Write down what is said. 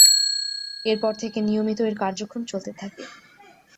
এর পর থেকে নিয়মিত এর কার্যক্রম চলতে থাকে।